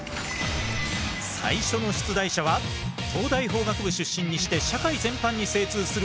最初の出題者は東大法学部出身にして社会全般に精通する男